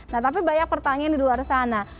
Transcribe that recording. nah tapi banyak pertanyaan di luar sana